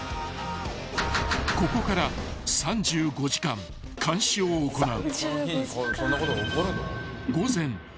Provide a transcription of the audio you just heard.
［ここから３５時間監視を行う］